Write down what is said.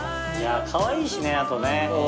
かわいいしねあとね。